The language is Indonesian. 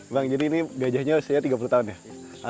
bang jadi ini gajahnya usia tiga puluh tahun ya